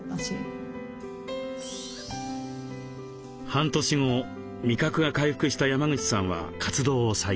半年後味覚が回復した山口さんは活動を再開。